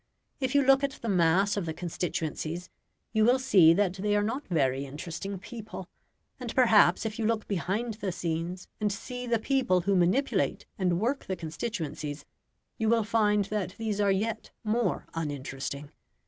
If you look at the mass of the constituencies, you will see that they are not very interesting people; and perhaps if you look behind the scenes and see the people who manipulate and work the constituencies, you will find that these are yet more uninteresting.